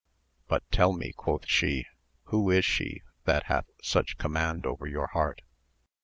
But tell me, quoth she, who is she that hath such command over your heart